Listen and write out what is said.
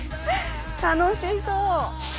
楽しそう！